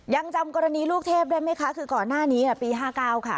ยังจำกรณีลูกเทพได้ไหมคะคือก่อนหน้านี้ปี๕๙ค่ะ